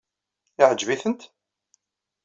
Iɛǧeb-itent?